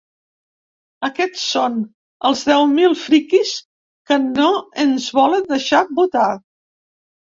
Aquests són els deu mil ‘friquis’ que no ens volen deixar votar.